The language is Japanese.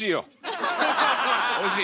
おいしい。